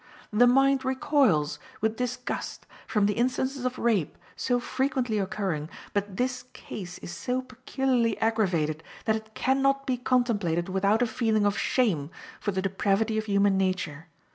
The mind recoils, with disgust, from the instances of rape so frequently occurring, but this case is so peculiarly aggravated that it can not be contemplated without a feeling of shame for the depravity of human nature.